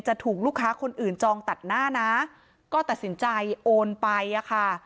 จะถูกลูกค้าคนอื่นจองตัดหน้านะก็ตัดสินใจโอนไปอ่ะค่ะ